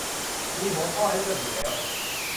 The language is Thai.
มีหัวข้อให้เลือกอยู่แล้ว